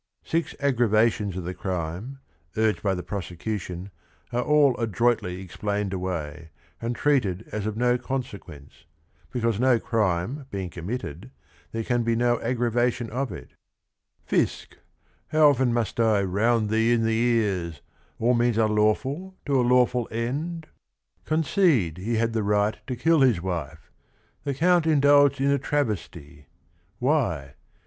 Six aggravations of the crime, urged by the prose cution, are all adroitly explained away, and treated as of no consequence, because no crime being committed, there can be no aggravation of it. "Fisc, How often must I round thee in the ears — All means are lawful to a lawful end? 136 THE RING AND THE BOOK Concede he had the right to kill his wife : The Count indulged in a travesty; why?